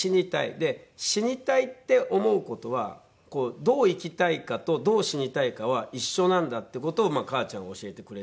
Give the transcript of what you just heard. で死にたいって思う事はどう生きたいかとどう死にたいかは一緒なんだって事を母ちゃんは教えてくれてたんで。